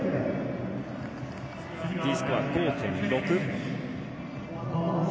Ｄスコア、５．６。